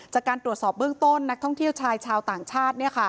จากการตรวจสอบเบื้องต้นนักท่องเที่ยวชายชาวต่างชาติ